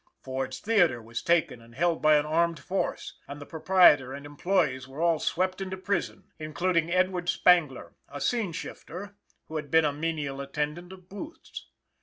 Ford's theatre was taken and held by an armed force, and the proprietor and employees were all swept into prison, including Edward Spangler, a scene shifter, who had been a menial attendant of Booth's.